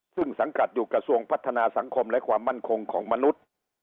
ซึ่งสังกัดอยู่กระทรวงพัฒนาสังคมและความมั่นคงของมนุษย์